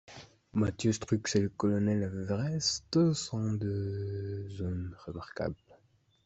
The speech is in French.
Mathieu Strux et le colonel Everest sont deux hommes remarquables.